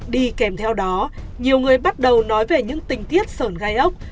đi kèm theo đó nhiều người bắt đầu nói về những tình tiết sườn gai ốc